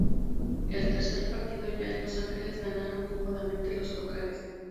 El tercer partido ya en Los Ángeles ganaron cómodamente los locales.